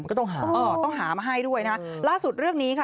ก็ต้องหาเออต้องหามาให้ด้วยนะล่าสุดเรื่องนี้ค่ะ